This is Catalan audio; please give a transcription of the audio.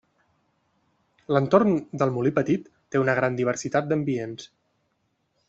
L'entorn del Molí Petit té una gran diversitat d'ambients.